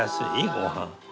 ごはん。